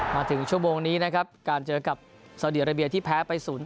มาถึงชั่วโมงนี้นะครับการเจอกับสาวดีอาราเบียที่แพ้ไป๐๘